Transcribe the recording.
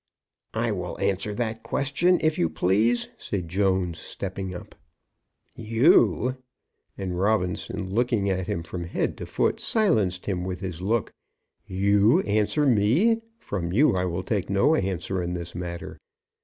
"I will answer that question, if you please," said Jones, stepping up. "You!" And Robinson, looking at him from head to foot, silenced him with his look. "You answer me! From you I will take no answer in this matter.